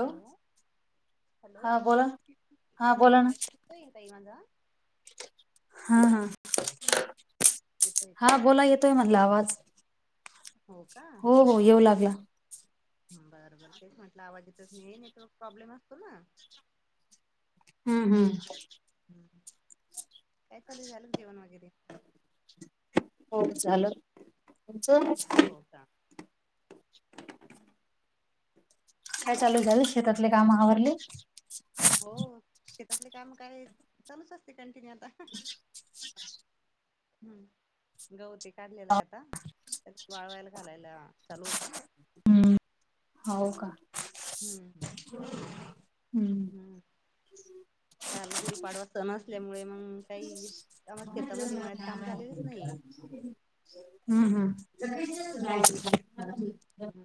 Hello hello हा बोला हा बोला ना आवाज येतोय का ताई माजा हा हा येतोय का हा बोला येतोय म्हणला आवाज. हो का हो हो येऊ लागला. बर बर तेच म्हटलं आवाज इेतच नाही नेटवर्क प्रॉब्लेम असतो ना. हम्म काय चालू झालं जेवण वगैरे. हो चालूय तुमचं. हो का. काय चालू झाल शेतातले काम आवरले. हो शेतातले काम काय चालूच असते कंटिन्यू आता. हम्म. गवती काढलेला आहे आता त्यात वाळवायला घालायला चालू होतं. हाऊ का. हम्म हम्म काल गुढीपाडवा सन असल्यामुळे मग काही. त्या म शेतामध्ये मळ्यात काम झालेलंच नाही. हा हा. हम्म.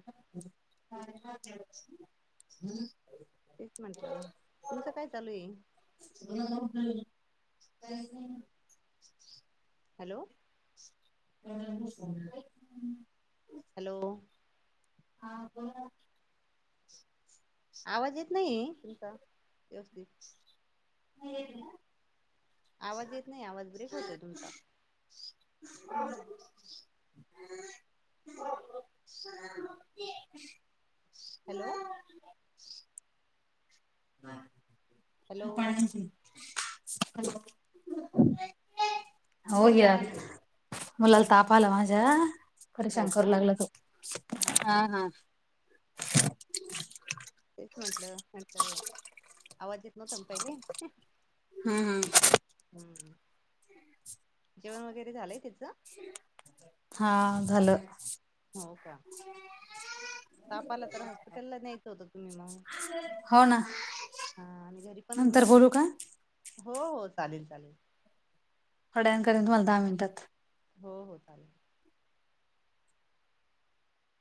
[inaudible] तेच म्हंटलं तुमचं काय चालूय. ह्. हॅलो. हॅलो. हा बोला. आवाज येत नाही तुमचा व्यवस्थित. [unintelligible] आवाज येत नाही आवाज ब्रेक होतोय तुमचा. [inaudible] हॅलो. हॅलो. हम्म हो घ्या, मुलाला ताप आला माझ्या. हो परेशान का करू लागला तो, हा हा. तेच म्हंटलं म्हटलं आवाज येत नव्हता न पहिले. हम्म. हम्म, जेवण वगैरे झालंय तिचं? हा झालं. तपा आला तर हॉस्पिटलला न्यायचं होतं तुम्ही मग? हो ना. हा आणि घरी पण नंतर बोलू का थोड्या हो हो चालेल चालेल. थोड्या वेळानं करीन तुम्हाला दहा मिनटात. हो हो चालेल.